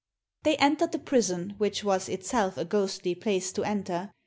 They entered the prison, which was itself a ghostly place to enter.